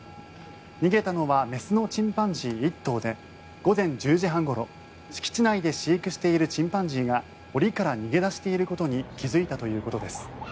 逃げたのは雌のチンパンジー１頭で午前１０時半ごろ敷地内で飼育しているチンパンジーが檻から逃げ出していることに気付いたということです。